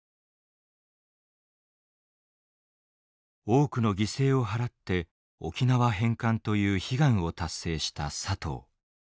多くの犠牲を払って沖縄返還という悲願を達成した佐藤。